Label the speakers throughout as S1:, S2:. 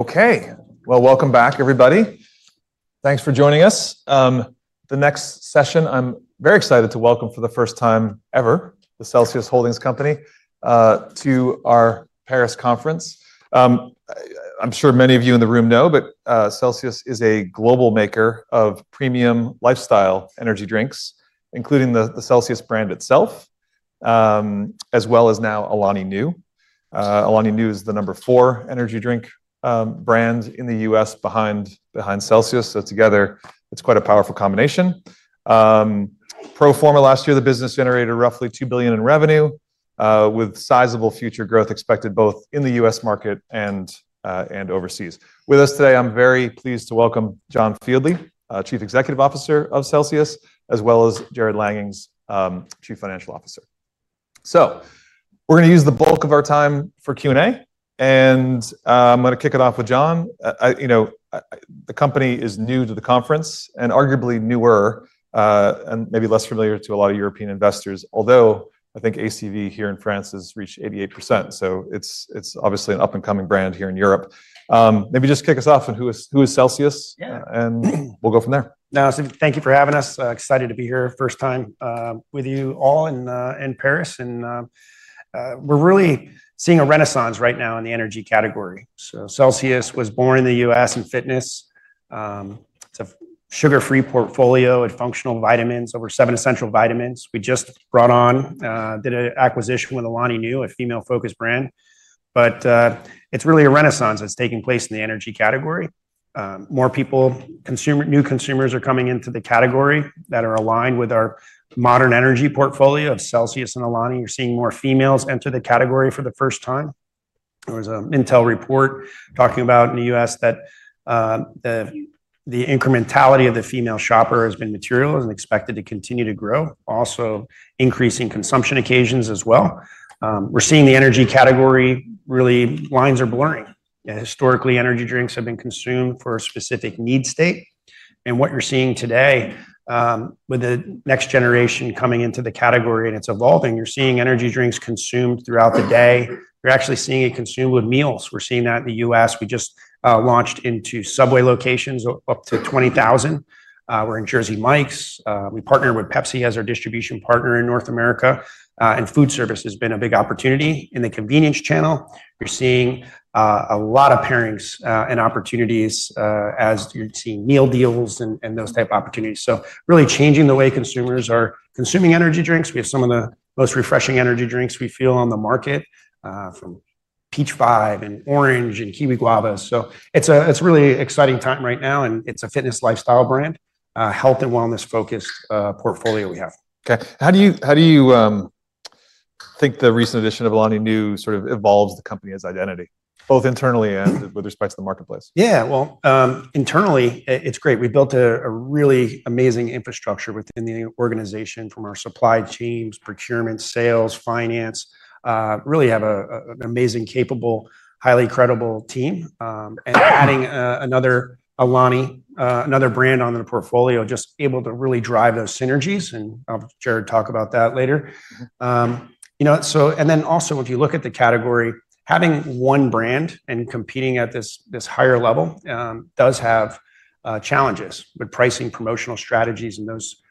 S1: Okay, welcome back, everybody. Thanks for joining us. The next session, I'm very excited to welcome for the first time ever the Celsius Holdings Company to our Paris conference. I'm sure many of you in the room know, but Celsius is a global maker of premium lifestyle energy drinks, including the Celsius brand itself, as well as now Alani Nu. Alani Nu is the number four energy drink brand in the U.S. behind Celsius. Together, it's quite a powerful combination. Pro forma last year, the business generated roughly $2 billion in revenue, with sizable future growth expected both in the U.S. market and overseas. With us today, I'm very pleased to welcome John Fieldly, Chief Executive Officer of Celsius, as well as Jarrod Langhans, Chief Financial Officer. We're going to use the bulk of our time for Q&A, and I'm going to kick it off with John. The company is new to the conference and arguably newer and maybe less familiar to a lot of European investors, although I think ACV here in France has reached 88%. It is obviously an up-and-coming brand here in Europe. Maybe just kick us off, and who is Celsius? And we will go from there.
S2: No, thank you for having us. Excited to be here first time with you all in Paris. We are really seeing a renaissance right now in the energy category. Celsius was born in the U.S. in fitness. It is a sugar-free portfolio and functional vitamins, over seven essential vitamins. We just brought on, did an acquisition with Alani Nu, a female-focused brand. It is really a renaissance that is taking place in the energy category. More people, new consumers are coming into the category that are aligned with our modern energy portfolio of Celsius and Alani. You are seeing more females enter the category for the first time. There was an intel report talking about in the U.S. that the incrementality of the female shopper has been material and expected to continue to grow, also increasing consumption occasions as well. We are seeing the energy category really lines are blurring. Historically, energy drinks have been consumed for a specific need state. What you're seeing today with the next generation coming into the category and it's evolving, you're seeing energy drinks consumed throughout the day. You're actually seeing it consumed with meals. We're seeing that in the U.S. We just launched into Subway locations up to 20,000. We're in Jersey Mike's. We partner with Pepsi as our distribution partner in North America. Food service has been a big opportunity. In the convenience channel, you're seeing a lot of pairings and opportunities as you're seeing meal deals and those type opportunities. Really changing the way consumers are consuming energy drinks. We have some of the most refreshing energy drinks we feel on the market from Peach Vibe and Orange and Kiwi Guava. It's a really exciting time right now, and it's a fitness lifestyle brand, health and wellness-focused portfolio we have.
S1: Okay. How do you think the recent addition of Alani Nu sort of evolves the company's identity, both internally and with respect to the marketplace?
S2: Yeah, internally, it's great. We built a really amazing infrastructure within the organization from our supply chains, procurement, sales, finance. Really have an amazing, capable, highly credible team. Adding another Alani, another brand on the portfolio, just able to really drive those synergies. I'll let Jarrod talk about that later. Also, if you look at the category, having one brand and competing at this higher level does have challenges with pricing, promotional strategies, and those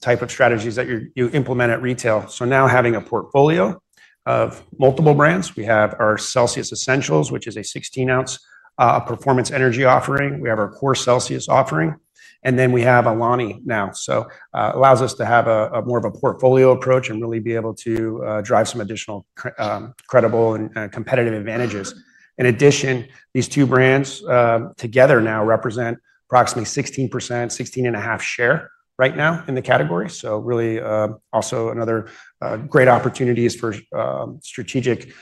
S2: type of strategies that you implement at retail. Now having a portfolio of multiple brands, we have our CELSIUS Essentials, which is a 16-ounce performance energy offering. We have our Core Celsius offering. Then we have Alani now. It allows us to have more of a portfolio approach and really be able to drive some additional credible and competitive advantages. In addition, these two brands together now represent approximately 16%-16.5% share right now in the category. Really also another great opportunities for strategic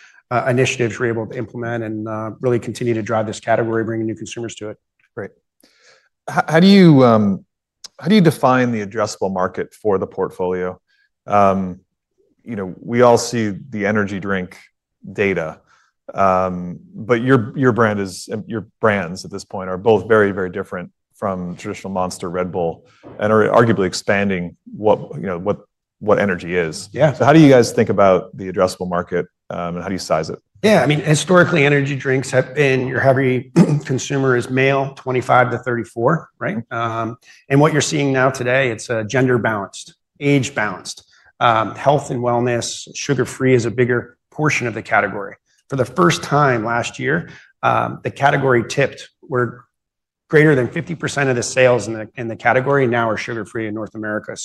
S2: initiatives we're able to implement and really continue to drive this category, bringing new consumers to it.
S1: Great. How do you define the addressable market for the portfolio? We all see the energy drink data, but your brands at this point are both very, very different from traditional Monster, Red Bull, and are arguably expanding what energy is.
S2: Yeah.
S1: How do you guys think about the addressable market, and how do you size it?
S2: Yeah, I mean, historically, energy drinks have been your heavy consumer is male, 25-34, right? What you're seeing now today, it's gender-balanced, age-balanced. Health and wellness, sugar-free is a bigger portion of the category. For the first time last year, the category tipped where greater than 50% of the sales in the category now are sugar-free in North America.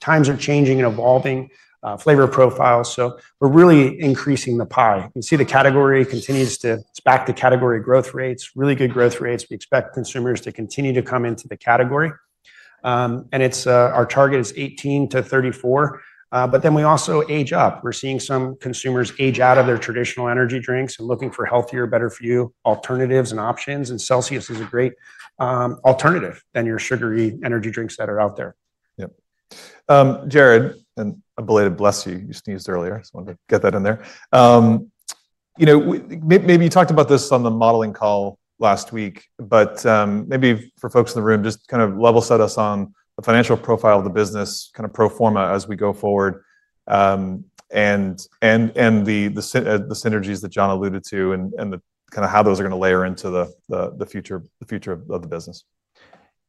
S2: Times are changing and evolving, flavor profiles. We're really increasing the pie. You see the category continues to back the category growth rates, really good growth rates. We expect consumers to continue to come into the category. Our target is 18-34. We also age up. We're seeing some consumers age out of their traditional energy drinks and looking for healthier, better-for-you alternatives and options. Celsius is a great alternative than your sugary energy drinks that are out there.
S1: Yep. Jarrod, and I believe bless you. You sneezed earlier. I just wanted to get that in there. Maybe you talked about this on the modeling call last week, but maybe for folks in the room, just kind of level set us on the financial profile of the business, kind of proforma as we go forward, and the synergies that John alluded to, and kind of how those are going to layer into the future of the business.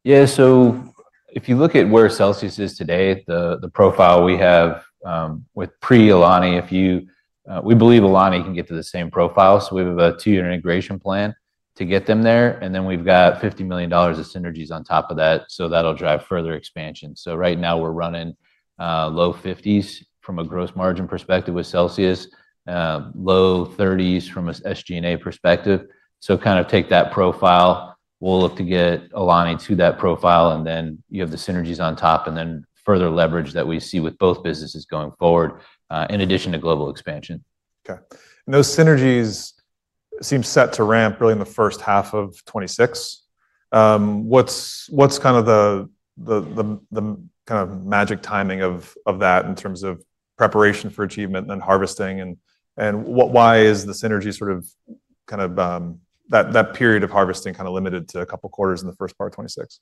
S3: Yeah, so if you look at where Celsius is today, the profile we have with pre-Alani, we believe Alani can get to the same profile. We have a two-year integration plan to get them there. We have $50 million of synergies on top of that. That will drive further expansion. Right now, we're running low 50s from a gross margin perspective with Celsius, low 30s from an SG&A perspective. Kind of take that profile. We'll look to get Alani to that profile. You have the synergies on top, and then further leverage that we see with both businesses going forward, in addition to global expansion.
S1: Okay. Those synergies seem set to ramp really in the first half of 2026. What's kind of the magic timing of that in terms of preparation for achievement and then harvesting? Why is the synergy, sort of, that period of harvesting, kind of limited to a couple quarters in the first part of 2026?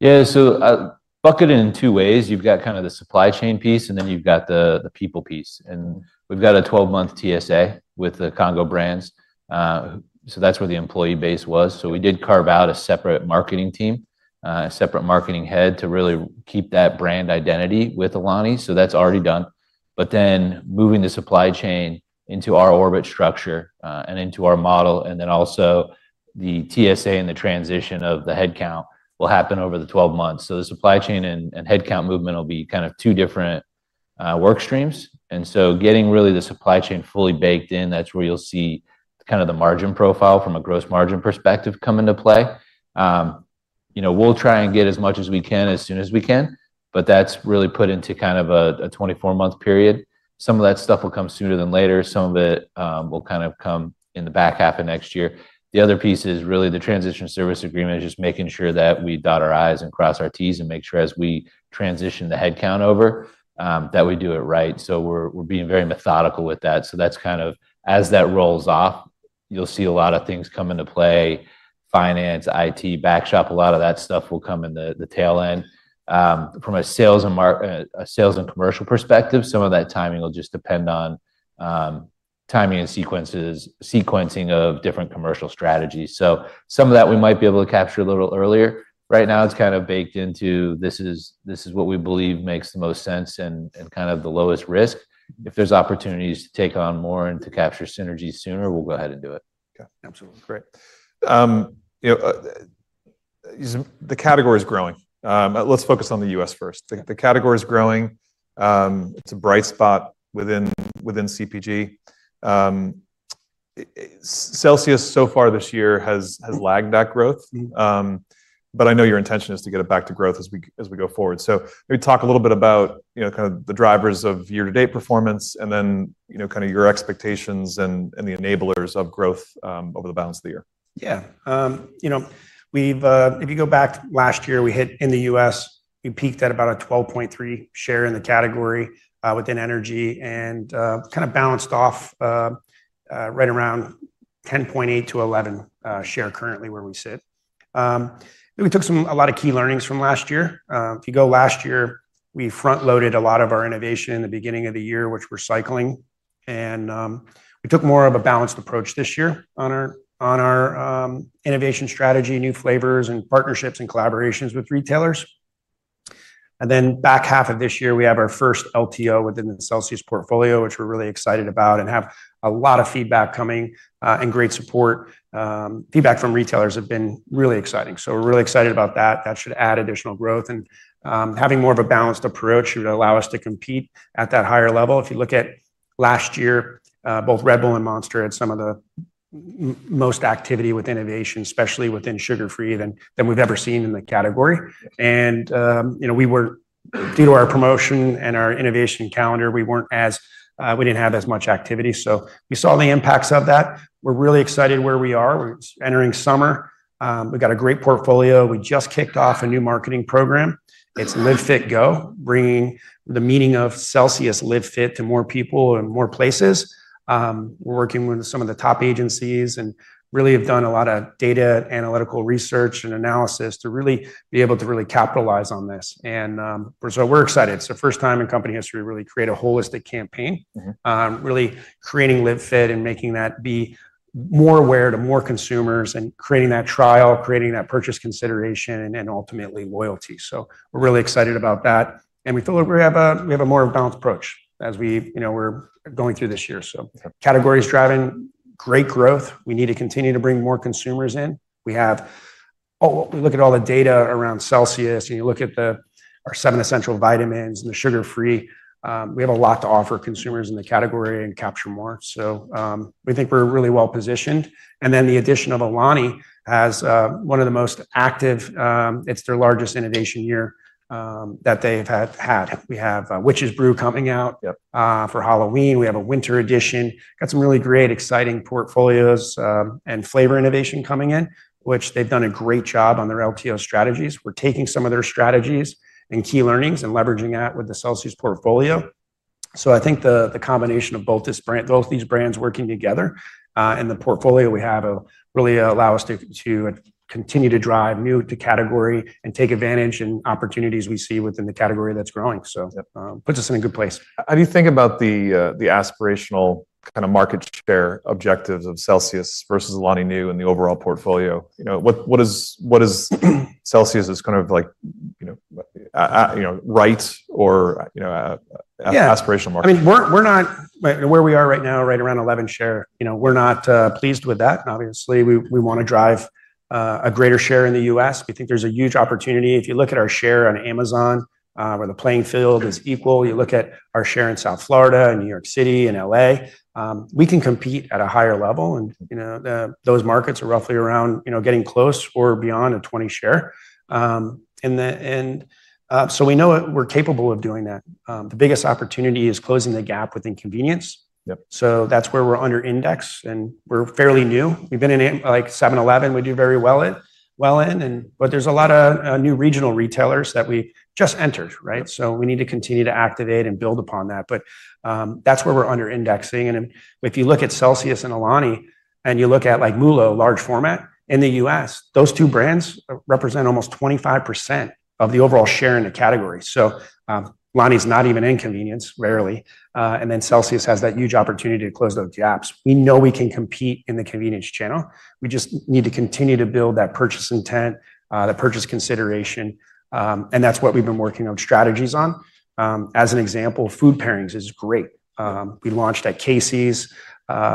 S3: Yeah, so bucketed in two ways. You've got kind of the supply chain piece, and then you've got the people piece. And we've got a 12-month TSA with the Congo Brands. So that's where the employee base was. We did carve out a separate marketing team, a separate marketing head to really keep that brand identity with Alani. That's already done. Moving the supply chain into our orbit structure and into our model, and then also the TSA and the transition of the headcount will happen over the 12 months. The supply chain and headcount movement will be kind of two different work streams. Getting really the supply chain fully baked in, that's where you'll see kind of the margin profile from a gross margin perspective come into play. We'll try and get as much as we can as soon as we can, but that's really put into kind of a 24-month period. Some of that stuff will come sooner than later. Some of it will kind of come in the back half of next year. The other piece is really the transition service agreement, just making sure that we dot our i's and cross our t's and make sure as we transition the headcount over that we do it right. We are being very methodical with that. As that rolls off, you'll see a lot of things come into play: finance, IT, back shop. A lot of that stuff will come in the tail end. From a sales and commercial perspective, some of that timing will just depend on timing and sequencing of different commercial strategies. Some of that we might be able to capture a little earlier. Right now, it's kind of baked into this is what we believe makes the most sense and kind of the lowest risk. If there's opportunities to take on more and to capture synergies sooner, we'll go ahead and do it.
S1: Okay. Absolutely. Great. The category is growing. Let's focus on the U.S. first. The category is growing. It's a bright spot within CPG. Celsius so far this year has lagged that growth, but I know your intention is to get it back to growth as we go forward. Maybe talk a little bit about kind of the drivers of year-to-date performance, and then kind of your expectations and the enablers of growth over the balance of the year.
S2: Yeah. If you go back last year, we hit in the U.S., we peaked at about a 12.3% share in the category within energy and kind of balanced off right around 10.8%-11% share currently where we sit. We took a lot of key learnings from last year. If you go last year, we front-loaded a lot of our innovation in the beginning of the year, which we're cycling. We took more of a balanced approach this year on our innovation strategy, new flavors, and partnerships and collaborations with retailers. Back half of this year, we have our first LTO within the Celsius portfolio, which we're really excited about and have a lot of feedback coming and great support. Feedback from retailers has been really exciting. We're really excited about that. That should add additional growth. Having more of a balanced approach should allow us to compete at that higher level. If you look at last year, both Red Bull and Monster had some of the most activity with innovation, especially within sugar-free than we've ever seen in the category. Due to our promotion and our innovation calendar, we did not have as much activity. We saw the impacts of that. We are really excited where we are. We are entering summer. We have got a great portfolio. We just kicked off a new marketing program. It is LIVE FIT GO, bringing the meaning of Celsius Live Fit to more people and more places. We are working with some of the top agencies and really have done a lot of data analytical research and analysis to really be able to really capitalize on this. We are excited. First time in company history to really create a holistic campaign, really creating Live Fit and making that be more aware to more consumers and creating that trial, creating that purchase consideration, and ultimately loyalty. We're really excited about that. We feel like we have a more balanced approach as we're going through this year. Category is driving great growth. We need to continue to bring more consumers in. We look at all the data around Celsius, and you look at our seven essential vitamins and the sugar-free. We have a lot to offer consumers in the category and capture more. We think we're really well positioned. The addition of Alani has one of the most active, it's their largest innovation year that they have had. We have Witch's Brew coming out for Halloween. We have a winter edition. Got some really great, exciting portfolios and flavor innovation coming in, which they've done a great job on their LTO strategies. We're taking some of their strategies and key learnings and leveraging that with the Celsius portfolio. I think the combination of both these brands working together and the portfolio we have really allows us to continue to drive new to category and take advantage and opportunities we see within the category that's growing. That puts us in a good place.
S1: How do you think about the aspirational kind of market share objectives of Celsius versus Alani Nu and the overall portfolio? What is Celsius as kind of right or aspirational market?
S2: I mean, where we are right now, right around 11% share, we're not pleased with that. Obviously, we want to drive a greater share in the U.S. We think there's a huge opportunity. If you look at our share on Amazon, where the playing field is equal, you look at our share in South Florida and New York City and L.A., we can compete at a higher level. Those markets are roughly around getting close or beyond a 20% share. We know we're capable of doing that. The biggest opportunity is closing the gap within convenience. That's where we're under index, and we're fairly new. We've been in like 7-Eleven. We do very well in. There are a lot of new regional retailers that we just entered, right? We need to continue to activate and build upon that. That's where we're under indexing. If you look at Celsius and Alani, and you look at like MULO, large format in the U.S., those two brands represent almost 25% of the overall share in the category. Alani's not even in convenience, rarely. Celsius has that huge opportunity to close those gaps. We know we can compete in the convenience channel. We just need to continue to build that purchase intent, that purchase consideration. That's what we've been working on strategies on. As an example, food pairings is great. We launched at Casey's.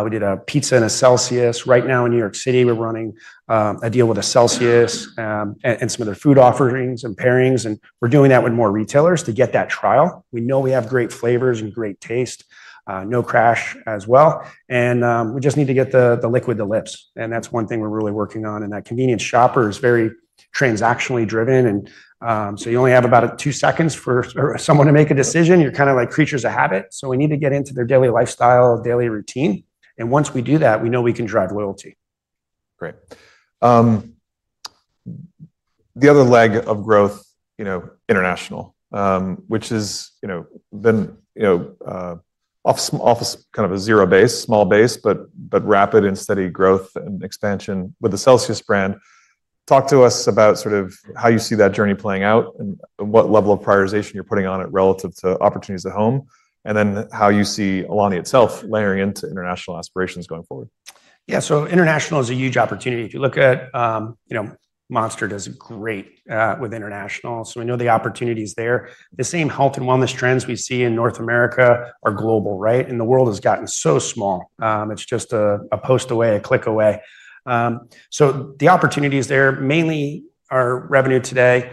S2: We did a pizza and a Celsius. Right now in New York City, we're running a deal with a Celsius and some of their food offerings and pairings. We're doing that with more retailers to get that trial. We know we have great flavors and great taste. No crash as well. We just need to get the liquid to lips. That is one thing we're really working on. That convenience shopper is very transactionally driven. You only have about two seconds for someone to make a decision. You're kind of like creatures of habit. We need to get into their daily lifestyle, daily routine. Once we do that, we know we can drive loyalty.
S1: Great. The other leg of growth, international, which has been off of kind of a zero base, small base, but rapid and steady growth and expansion with the Celsius brand. Talk to us about sort of how you see that journey playing out and what level of prioritization you're putting on it relative to opportunities at home, and then how you see Alani itself layering into international aspirations going forward.
S2: Yeah, so international is a huge opportunity. If you look at Monster, it does great with international. We know the opportunity is there. The same health and wellness trends we see in North America are global, right? The world has gotten so small. It's just a post away, a click away. The opportunities there mainly are revenue today.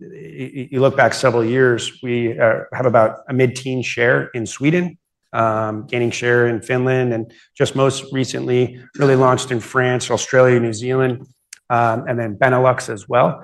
S2: You look back several years, we have about a mid-teen share in Sweden, gaining share in Finland, and just most recently, really launched in France, Australia, New Zealand, and then Benelux as well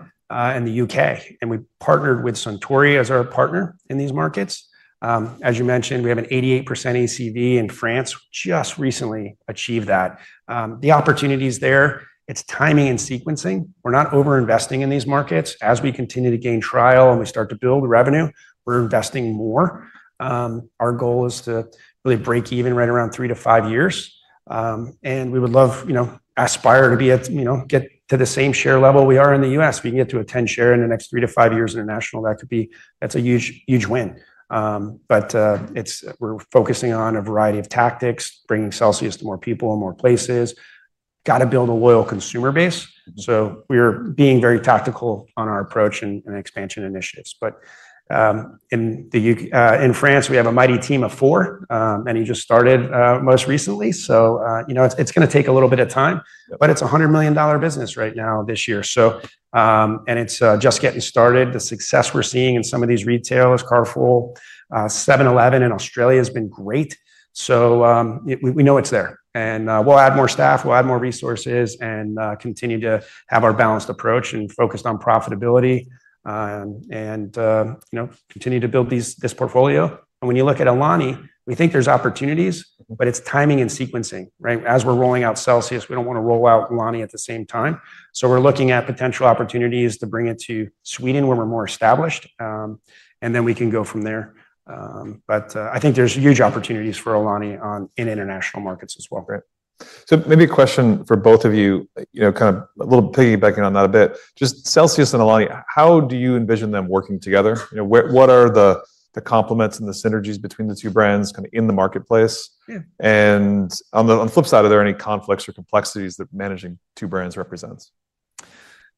S2: in the U.K. We partnered with Suntory as our partner in these markets. As you mentioned, we have an 88% ACV in France, just recently achieved that. The opportunities there, it's timing and sequencing. We're not overinvesting in these markets. As we continue to gain trial and we start to build revenue, we're investing more. Our goal is to really break even right around 3-5 years. We would love to aspire to get to the same share level we are in the U.S. If we can get to a 10% share in the next 3-5 years international, that's a huge win. We are focusing on a variety of tactics, bringing Celsius to more people and more places. Got to build a loyal consumer base. We are being very tactical on our approach and expansion initiatives. In France, we have a mighty team of four, and he just started most recently. It is going to take a little bit of time, but it is a $100 million business right now this year. It is just getting started. The success we are seeing in some of these retailers, Carrefour, 7-Eleven in Australia, has been great. We know it is there. We will add more staff, we will add more resources, and continue to have our balanced approach and focus on profitability and continue to build this portfolio. When you look at Alani, we think there are opportunities, but it is timing and sequencing, right? As we are rolling out Celsius, we do not want to roll out Alani at the same time. We are looking at potential opportunities to bring it to Sweden where we are more established, and then we can go from there. I think there are huge opportunities for Alani in international markets as well.
S1: Great. Maybe a question for both of you, kind of a little piggybacking on that a bit. Just Celsius and Alani, how do you envision them working together? What are the complements and the synergies between the two brands kind of in the marketplace? On the flip side, are there any conflicts or complexities that managing two brands represents?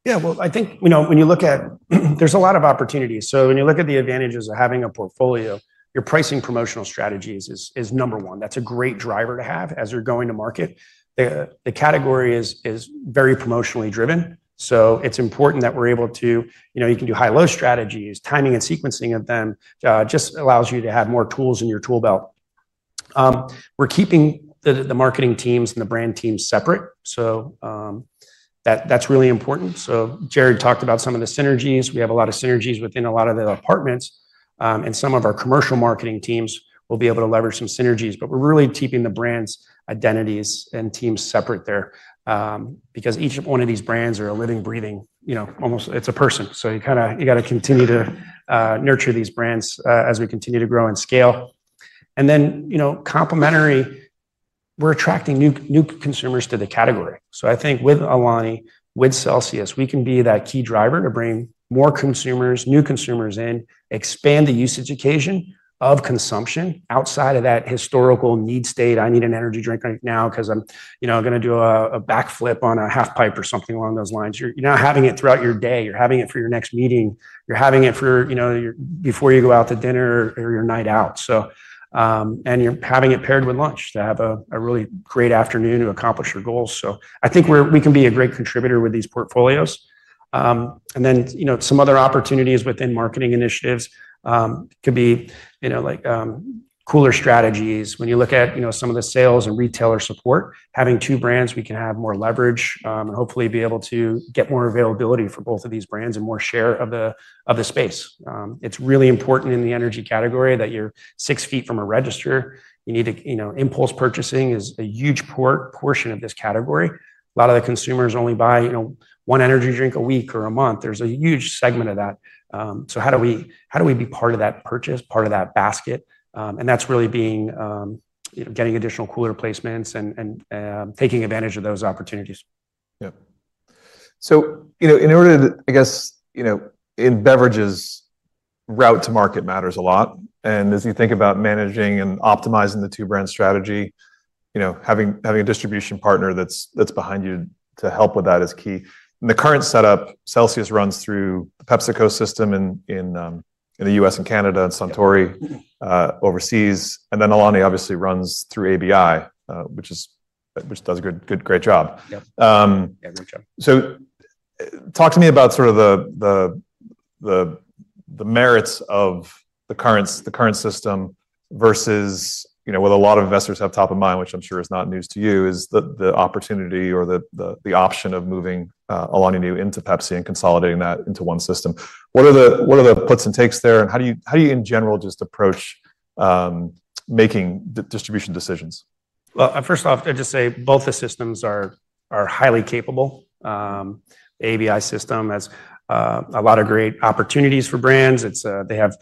S2: Yeah, I think when you look at, there's a lot of opportunities. When you look at the advantages of having a portfolio, your pricing promotional strategies is number one. That's a great driver to have as you're going to market. The category is very promotionally driven. It's important that we're able to, you can do high-low strategies, timing and sequencing of them just allows you to have more tools in your tool belt. We're keeping the marketing teams and the brand teams separate. That's really important. Jarrod talked about some of the synergies. We have a lot of synergies within a lot of the departments, and some of our commercial marketing teams will be able to leverage some synergies. We're really keeping the brands, identities, and teams separate there because each one of these brands are a living, breathing, almost, it's a person. You got to continue to nurture these brands as we continue to grow and scale. Complementary, we're attracting new consumers to the category. I think with Alani, with Celsius, we can be that key driver to bring more consumers, new consumers in, expand the usage occasion of consumption outside of that historical need state. I need an energy drink right now because I'm going to do a backflip on a half pipe or something along those lines. You're not having it throughout your day. You're having it for your next meeting. You're having it before you go out to dinner or your night out. You're having it paired with lunch to have a really great afternoon to accomplish your goals. I think we can be a great contributor with these portfolios. Some other opportunities within marketing initiatives could be like cooler strategies. When you look at some of the sales and retailer support, having two brands, we can have more leverage and hopefully be able to get more availability for both of these brands and more share of the space. It is really important in the energy category that you are six feet from a register. You need to. Impulse purchasing is a huge portion of this category. A lot of the consumers only buy one energy drink a week or a month. There is a huge segment of that. How do we be part of that purchase, part of that basket? That is really getting additional cooler placements and taking advantage of those opportunities.
S1: Yeah. In order to, I guess, in beverages, route to market matters a lot. As you think about managing and optimizing the two-brand strategy, having a distribution partner that's behind you to help with that is key. In the current setup, Celsius runs through the PepsiCo system in the U.S. and Canada and Suntory overseas. Alani obviously runs through ABI, which does a great job. Talk to me about the merits of the current system versus what a lot of investors have top of mind, which I'm sure is not news to you, the opportunity or the option of moving Alani Nu into Pepsi and consolidating that into one system. What are the puts and takes there? How do you, in general, just approach making distribution decisions?
S2: First off, I'd just say both the systems are highly capable. The ABI system has a lot of great opportunities for brands. They have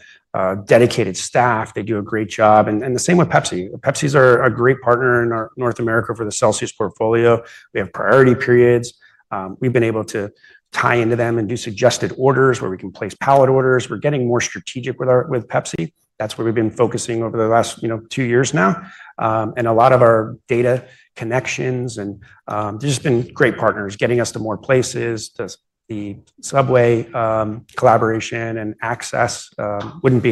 S2: dedicated staff. They do a great job. The same with Pepsi. Pepsi's a great partner in North America for the Celsius portfolio. We have priority periods. We've been able to tie into them and do suggested orders where we can place pallet orders. We're getting more strategic with Pepsi. That's where we've been focusing over the last two years now. A lot of our data connections, and they've just been great partners getting us to more places. The Subway collaboration and access wouldn't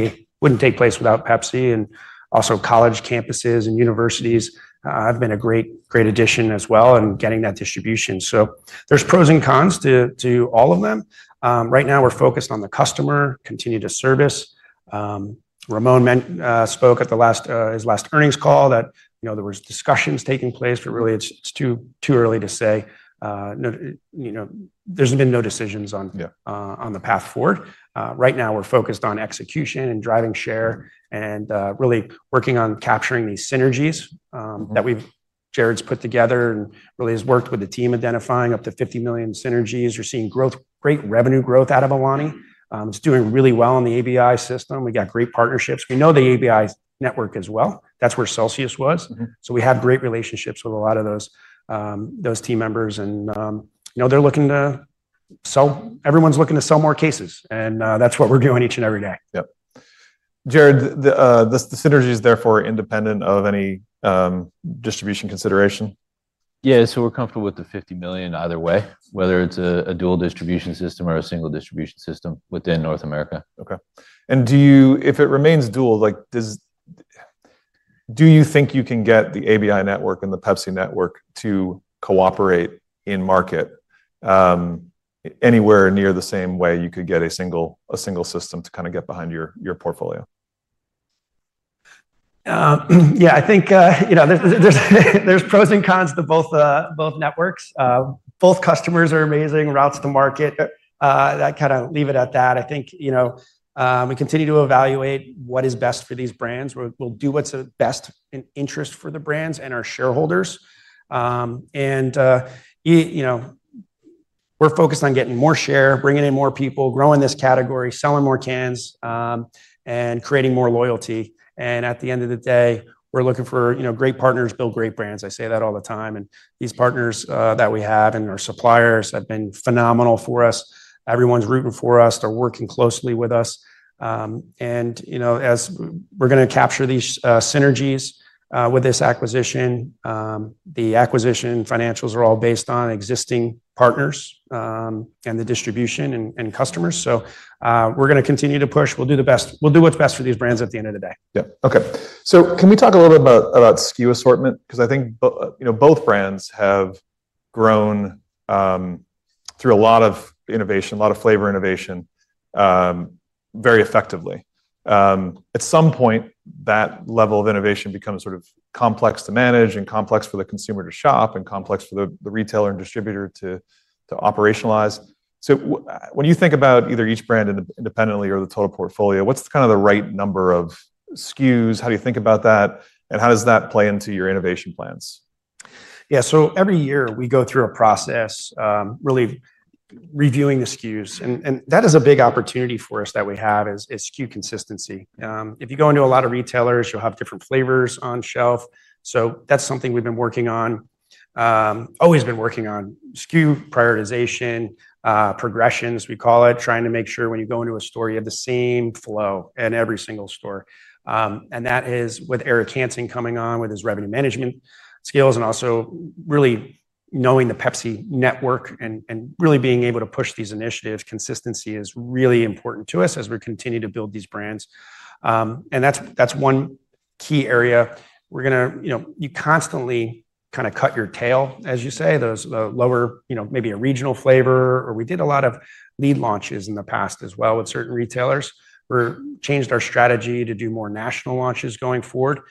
S2: take place without Pepsi. Also, college campuses and universities have been a great addition as well in getting that distribution. There are pros and cons to all of them. Right now, we're focused on the customer, continue to service. Ramon spoke at his last earnings call that there were discussions taking place, but really it's too early to say. There's been no decisions on the path forward. Right now, we're focused on execution and driving share and really working on capturing these synergies that Jarrod's put together and really has worked with the team identifying up to $50 million synergies. We're seeing great revenue growth out of Alani. It's doing really well in the ABI system. We got great partnerships. We know the ABI network as well. That's where Celsius was. We have great relationships with a lot of those team members. They're looking to sell, everyone's looking to sell more cases. That's what we're doing each and every day.
S1: Yep. Jarrod, the synergy is therefore independent of any distribution consideration?
S3: Yeah, so we're comfortable with the $50 million either way, whether it's a dual distribution system or a single distribution system within North America.
S1: Okay. If it remains dual, do you think you can get the ABI network and the Pepsi network to cooperate in market anywhere near the same way you could get a single system to kind of get behind your portfolio?
S2: Yeah, I think there's pros and cons to both networks. Both customers are amazing, routes to market. I kind of leave it at that. I think we continue to evaluate what is best for these brands. We'll do what's best in interest for the brands and our shareholders. We're focused on getting more share, bringing in more people, growing this category, selling more cans, and creating more loyalty. At the end of the day, we're looking for great partners, build great brands. I say that all the time. These partners that we have and our suppliers have been phenomenal for us. Everyone's rooting for us. They're working closely with us. As we're going to capture these synergies with this acquisition, the acquisition financials are all based on existing partners and the distribution and customers. We're going to continue to push. We'll do what's best for these brands at the end of the day.
S1: Yeah. Okay. Can we talk a little bit about SKU assortment? I think both brands have grown through a lot of innovation, a lot of flavor innovation very effectively. At some point, that level of innovation becomes sort of complex to manage and complex for the consumer to shop and complex for the retailer and distributor to operationalize. When you think about either each brand independently or the total portfolio, what's kind of the right number of SKUs? How do you think about that? How does that play into your innovation plans?
S2: Yeah, so every year we go through a process really reviewing the SKUs. That is a big opportunity for us that we have is SKU consistency. If you go into a lot of retailers, you'll have different flavors on shelf. That's something we've been working on, always been working on SKU prioritization, progressions, we call it, trying to make sure when you go into a store, you have the same flow in every single store. That is with Eric Hansen coming on with his revenue management skills and also really knowing the Pepsi network and really being able to push these initiatives. Consistency is really important to us as we continue to build these brands. That's one key area. We're going to constantly kind of cut your tail, as you say, those lower maybe a regional flavor. We did a lot of lead launches in the past as well with certain retailers. We changed our strategy to do more national launches going forward.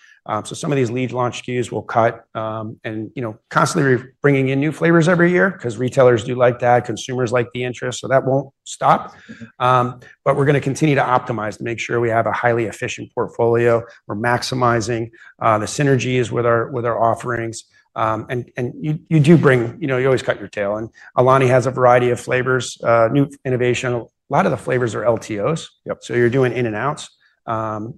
S2: Some of these lead launch SKUs we'll cut and constantly bringing in new flavors every year because retailers do like that, consumers like the interest. That won't stop. We're going to continue to optimize to make sure we have a highly efficient portfolio. We're maximizing the synergies with our offerings. You always cut your tail. Alani has a variety of flavors, new innovation. A lot of the flavors are LTOs. You're doing in and outs.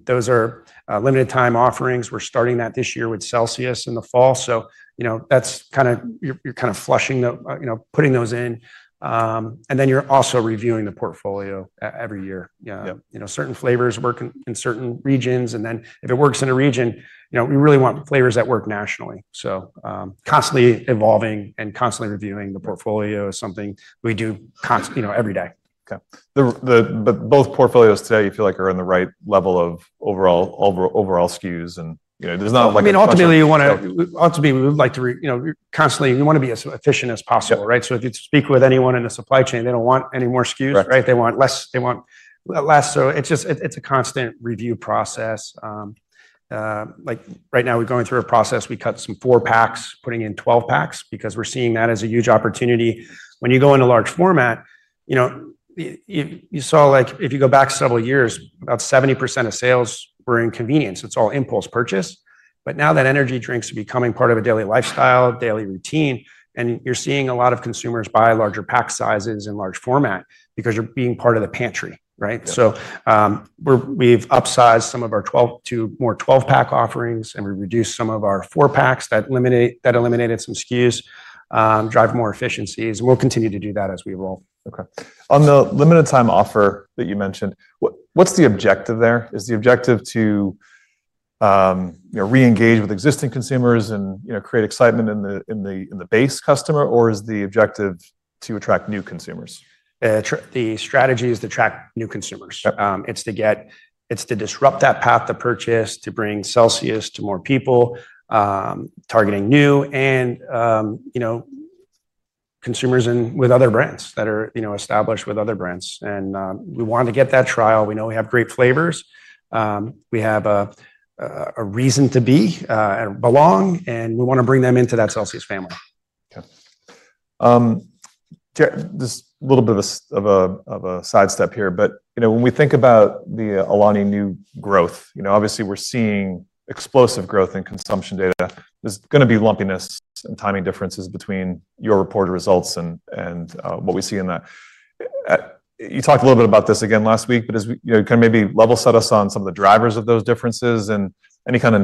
S2: Those are limited-time offerings. We're starting that this year with Celsius in the fall. That's kind of, you're kind of flushing the, putting those in. You're also reviewing the portfolio every year. Certain flavors work in certain regions. If it works in a region, we really want flavors that work nationally. Constantly evolving and constantly reviewing the portfolio is something we do every day.
S1: Okay. But both portfolios today, you feel like are in the right level of overall SKUs and there's not like a few.
S2: I mean, ultimately, we would like to constantly, we want to be as efficient as possible, right? If you speak with anyone in the supply chain, they do not want any more SKUs, right? They want less. It is a constant review process. Right now, we are going through a process. We cut some four packs, putting in 12 packs because we are seeing that as a huge opportunity. When you go into large format, you saw like if you go back several years, about 70% of sales were in convenience. It is all impulse purchase. Now that energy drinks are becoming part of a daily lifestyle, daily routine, and you are seeing a lot of consumers buy larger pack sizes and large format because you are being part of the pantry, right? We've upsized some of our more 12-pack offerings and we reduced some of our four packs that eliminated some SKUs, drive more efficiencies. We'll continue to do that as we evolve.
S1: Okay. On the limited-time offer that you mentioned, what's the objective there? Is the objective to re-engage with existing consumers and create excitement in the base customer, or is the objective to attract new consumers?
S2: The strategy is to attract new consumers. It is to disrupt that path to purchase, to bring Celsius to more people, targeting new and consumers with other brands that are established with other brands. We want to get that trial. We know we have great flavors. We have a reason to be and belong, and we want to bring them into that Celsius family.
S1: Okay. Just a little bit of a sidestep here, but when we think about the Alani Nu growth, obviously we're seeing explosive growth in consumption data. There's going to be lumpiness and timing differences between your reported results and what we see in that. You talked a little bit about this again last week, but can maybe level set us on some of the drivers of those differences and any kind of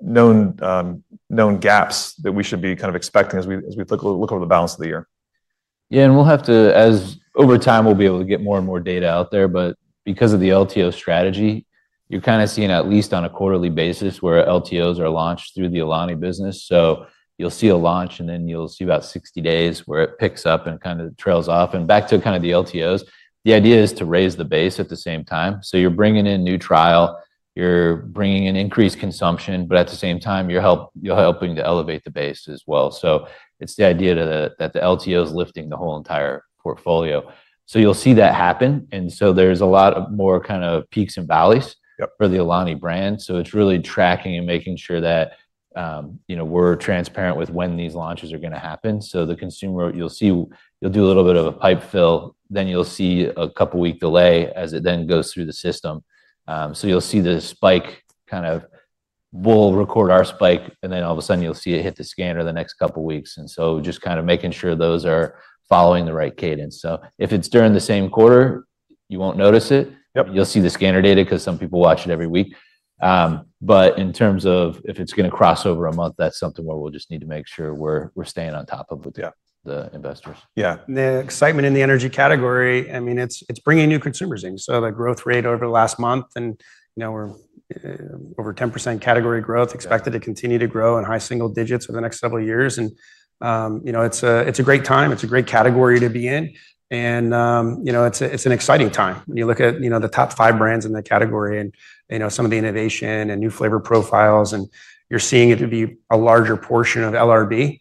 S1: known gaps that we should be kind of expecting as we look over the balance of the year?
S3: Yeah, and we'll have to, as over time, we'll be able to get more and more data out there. Because of the LTO strategy, you're kind of seeing at least on a quarterly basis where LTOs are launched through the Alani business. You'll see a launch and then you'll see about 60 days where it picks up and kind of trails off. Back to kind of the LTOs, the idea is to raise the base at the same time. You're bringing in new trial. You're bringing in increased consumption, but at the same time, you're helping to elevate the base as well. It's the idea that the LTO is lifting the whole entire portfolio. You'll see that happen. There's a lot of more kind of peaks and valleys for the Alani brand. It's really tracking and making sure that we're transparent with when these launches are going to happen. The consumer, you'll see you'll do a little bit of a pipe fill, then you'll see a couple-week delay as it then goes through the system. You'll see the spike, kind of we'll record our spike, and then all of a sudden you'll see it hit the scanner the next couple of weeks. Just kind of making sure those are following the right cadence. If it's during the same quarter, you won't notice it. You'll see the scanner data because some people watch it every week. In terms of if it's going to cross over a month, that's something where we'll just need to make sure we're staying on top of the investors.
S1: Yeah.
S2: The excitement in the energy category, I mean, it's bringing new consumers in. The growth rate over the last month and we're over 10% category growth, expected to continue to grow in high single digits over the next several years. It's a great time. It's a great category to be in. It's an exciting time. When you look at the top five brands in that category and some of the innovation and new flavor profiles, you're seeing it to be a larger portion of LRB.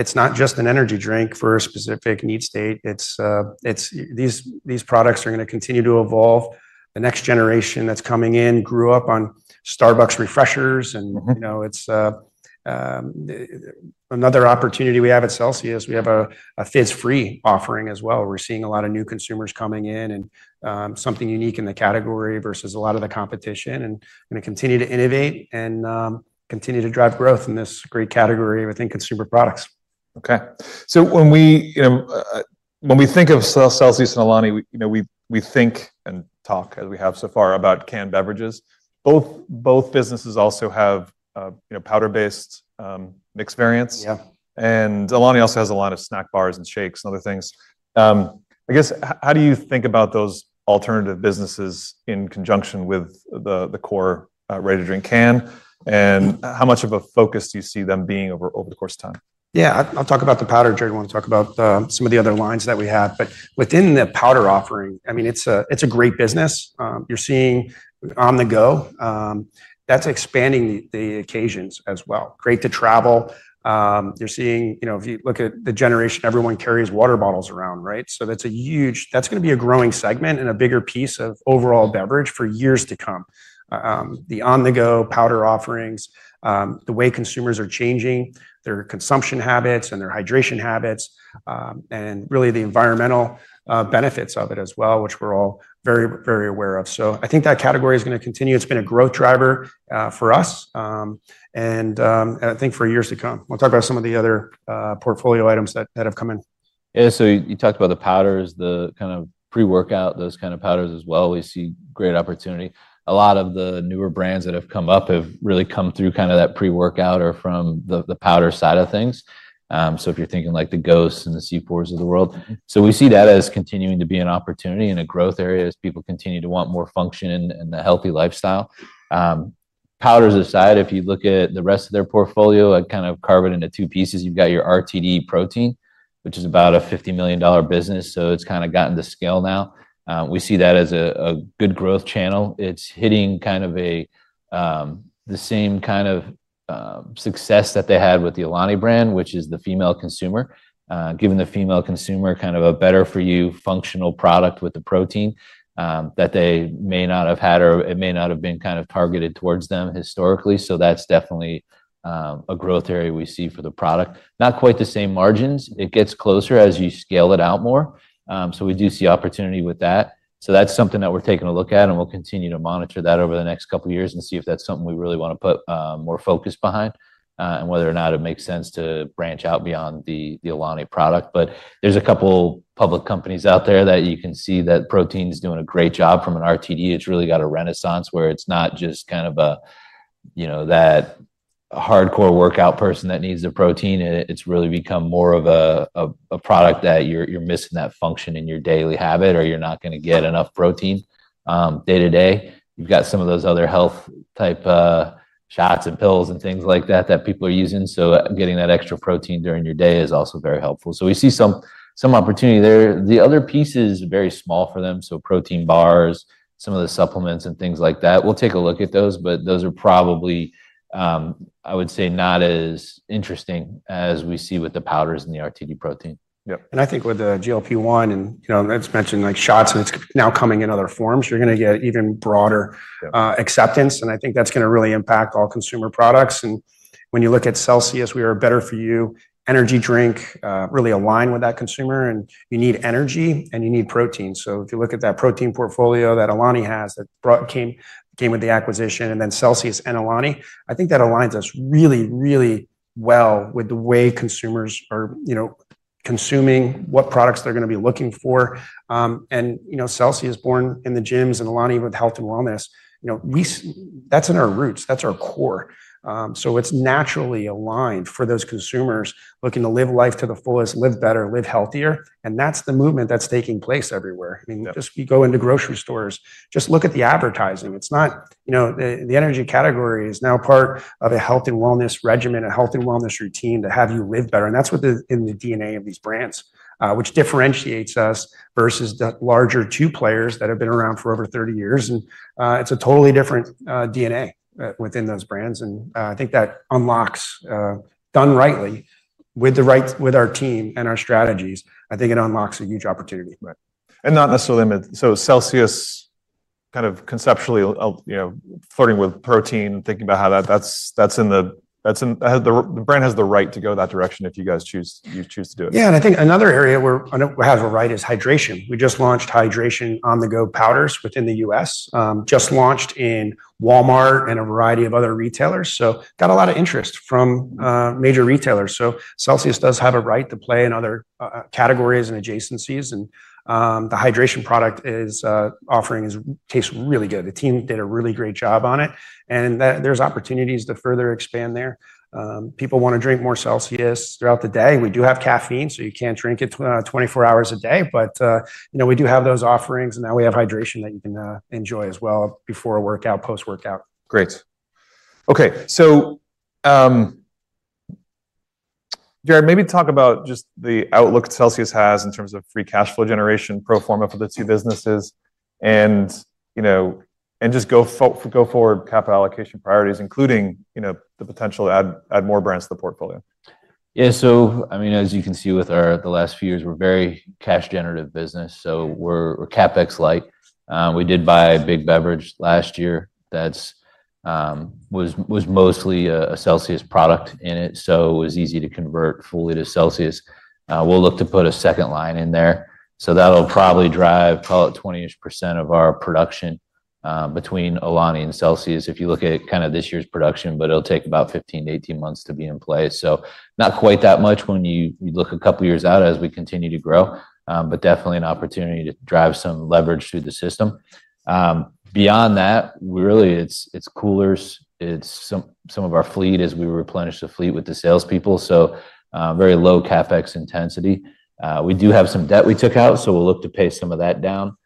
S2: It's not just an energy drink for a specific need state. These products are going to continue to evolve. The next generation that's coming in grew up on Starbucks refreshers. It's another opportunity we have at Celsius. We have a fizz-free offering as well. We're seeing a lot of new consumers coming in and something unique in the category versus a lot of the competition. We are going to continue to innovate and continue to drive growth in this great category within consumer products.
S1: Okay. When we think of Celsius and Alani, we think and talk as we have so far about canned beverages. Both businesses also have powder-based mixed variants. Alani also has a lot of snack bars and shakes and other things. I guess, how do you think about those alternative businesses in conjunction with the core ready-to-drink can? How much of a focus do you see them being over the course of time?
S2: Yeah, I'll talk about the powder drink. I want to talk about some of the other lines that we have. But within the powder offering, I mean, it's a great business. You're seeing on the go. That's expanding the occasions as well. Great to travel. You're seeing if you look at the generation, everyone carries water bottles around, right? So that's huge, that's going to be a growing segment and a bigger piece of overall beverage for years to come. The on-the-go powder offerings, the way consumers are changing, their consumption habits and their hydration habits, and really the environmental benefits of it as well, which we're all very, very aware of. I think that category is going to continue. It's been a growth driver for us. I think for years to come. We'll talk about some of the other portfolio items that have come in.
S3: Yeah, so you talked about the powders, the kind of pre-workout, those kind of powders as well. We see great opportunity. A lot of the newer brands that have come up have really come through kind of that pre-workout or from the powder side of things. If you're thinking like the GHOSTs and the C4s of the world. We see that as continuing to be an opportunity and a growth area as people continue to want more function and the healthy lifestyle. Powders aside, if you look at the rest of their portfolio, I kind of carve it into two pieces. You've got your RTD protein, which is about a $50 million business. It's kind of gotten to scale now. We see that as a good growth channel. It's hitting kind of the same kind of success that they had with the Alani brand, which is the female consumer, giving the female consumer kind of a better-for-you functional product with the protein that they may not have had or it may not have been kind of targeted towards them historically. That is definitely a growth area we see for the product. Not quite the same margins. It gets closer as you scale it out more. We do see opportunity with that. That is something that we're taking a look at, and we'll continue to monitor that over the next couple of years and see if that's something we really want to put more focus behind and whether or not it makes sense to branch out beyond the Alani product. There are a couple of public companies out there that you can see that protein is doing a great job from an RTD. It has really got a renaissance where it is not just kind of that hardcore workout person that needs the protein. It has really become more of a product that you are missing that function in your daily habit or you are not going to get enough protein day-to-day. You have some of those other health-type shots and pills and things like that that people are using. Getting that extra protein during your day is also very helpful. We see some opportunity there. The other piece is very small for them. Protein bars, some of the supplements and things like that. We will take a look at those, but those are probably, I would say, not as interesting as we see with the powders and the RTD protein.
S1: Yeah.
S2: I think with the GLP-1 and as mentioned, like shots, and it's now coming in other forms, you're going to get even broader acceptance. I think that's going to really impact all consumer products. When you look at Celsius, we are a better-for-you energy drink, really aligned with that consumer. You need energy and you need protein. If you look at that protein portfolio that Alani has that came with the acquisition and then Celsius and Alani, I think that aligns us really, really well with the way consumers are consuming, what products they're going to be looking for. Celsius born in the gyms and Alani with health and wellness, that's in our roots. That's our core. It's naturally aligned for those consumers looking to live life to the fullest, live better, live healthier. That's the movement that's taking place everywhere. I mean, just you go into grocery stores, just look at the advertising. It's not the energy category is now part of a health and wellness regimen, a health and wellness routine to have you live better. That's what's in the DNA of these brands, which differentiates us versus the larger two players that have been around for over 30 years. It's a totally different DNA within those brands. I think that unlocks, done rightly with our team and our strategies, I think it unlocks a huge opportunity.
S1: Not necessarily so Celsius kind of conceptually flirting with protein and thinking about how that's in the brand has the right to go that direction if you guys choose to do it.
S2: Yeah. I think another area where it has a right is hydration. We just launched Hydration On-The-Go Powders within the U.S., just launched in Walmart and a variety of other retailers. Got a lot of interest from major retailers. Celsius does have a right to play in other categories and adjacencies. The hydration product offering tastes really good. The team did a really great job on it. There are opportunities to further expand there. People want to drink more Celsius throughout the day. We do have caffeine, so you can't drink it 24 hours a day, but we do have those offerings. Now we have hydration that you can enjoy as well before a workout, post-workout.
S1: Great. Okay. So Jarrod, maybe talk about just the outlook Celsius has in terms of free cash flow generation, pro forma for the two businesses, and just go forward capital allocation priorities, including the potential to add more brands to the portfolio.
S3: Yeah. So I mean, as you can see with the last few years, we're a very cash-generative business. So we're CapEx light. We did buy a big beverage last year that was mostly a Celsius product in it. So it was easy to convert fully to Celsius. We'll look to put a second line in there. That'll probably drive probably 20% of our production between Alani and Celsius if you look at kind of this year's production, but it'll take about 15-18 months to be in place. Not quite that much when you look a couple of years out as we continue to grow, but definitely an opportunity to drive some leverage through the system. Beyond that, really, it's coolers. It's some of our fleet as we replenish the fleet with the salespeople. Very low CapEx intensity. We do have some debt we took out, so we'll look to pay some of that down.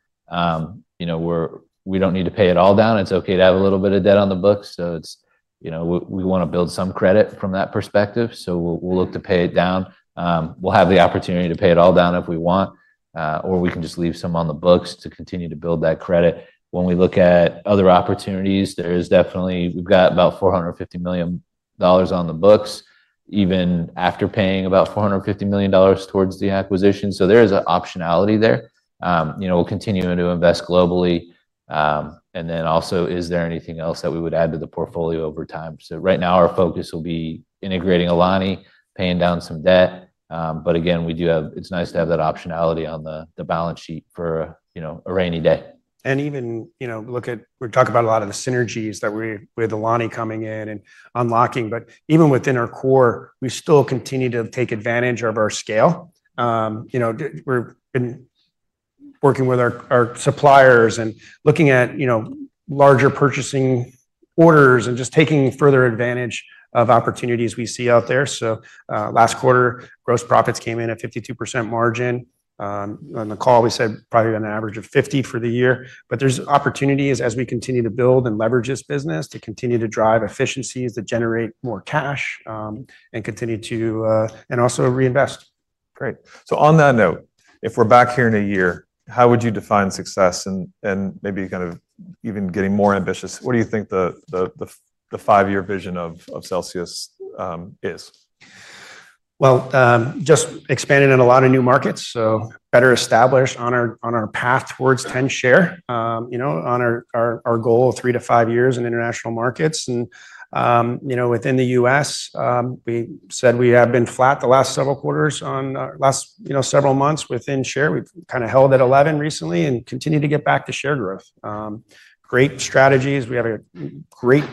S3: We don't need to pay it all down. It's okay to have a little bit of debt on the books. We want to build some credit from that perspective. We'll look to pay it down. We'll have the opportunity to pay it all down if we want, or we can just leave some on the books to continue to build that credit. When we look at other opportunities, there is definitely we've got about $450 million on the books, even after paying about $450 million towards the acquisition. There is an optionality there. We'll continue to invest globally. Also, is there anything else that we would add to the portfolio over time? Right now, our focus will be integrating Alani, paying down some debt. Again, we do have, it's nice to have that optionality on the balance sheet for a rainy day.
S2: Even look at we talk about a lot of the synergies that we have with Alani coming in and unlocking. Even within our core, we still continue to take advantage of our scale. We've been working with our suppliers and looking at larger purchasing orders and just taking further advantage of opportunities we see out there. Last quarter, gross profits came in at 52% margin. On the call, we said probably on average of 50% for the year. There are opportunities as we continue to build and leverage this business to continue to drive efficiencies that generate more cash and also reinvest.
S1: Great. On that note, if we're back here in a year, how would you define success and maybe kind of even getting more ambitious? What do you think the five-year vision of Celsius is?
S2: Just expanding in a lot of new markets. So better established on our path towards 10% share, on our goal of 3-5 years in international markets. Within the U.S., we said we have been flat the last several quarters, last several months within share. We've kind of held at 11% recently and continue to get back to share growth. Great strategies. We have a great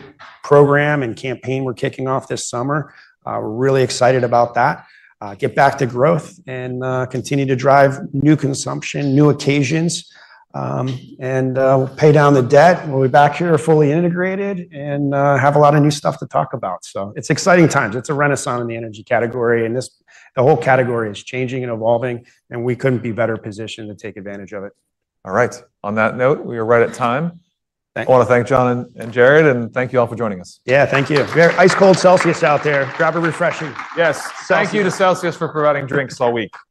S2: program and campaign we're kicking off this summer. We're really excited about that. Get back to growth and continue to drive new consumption, new occasions. We'll pay down the debt when we're back here fully integrated and have a lot of new stuff to talk about. It's exciting times. It's a renaissance in the energy category. The whole category is changing and evolving. We couldn't be better positioned to take advantage of it.
S1: All right. On that note, we are right at time. I want to thank John and Jarrod. And thank you all for joining us.
S2: Yeah, thank you. Ice cold Celsius out there. Grab a refreshing.
S1: Yes. Thank you to Celsius for providing drinks all week.